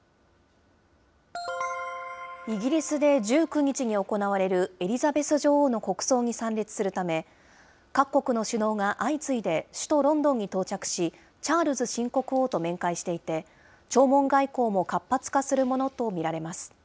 イギリスで１９日に行われるエリザベス女王の国葬に参列するため、各国の首脳が相次いで首都ロンドンに到着し、チャールズ新国王と面会していて、弔問外交も活発化するものと見られます。